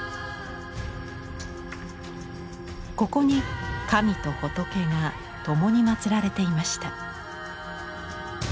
ここに神と仏が共にまつられていました。